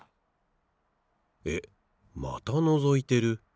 えっまたのぞいてる。